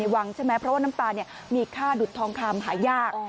วังใช่ไหมเพราะว่าน้ำตาลมีค่าดุดทองคำหายาก